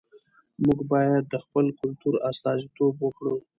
موږ بايد د خپل کلتور استازیتوب وکړو.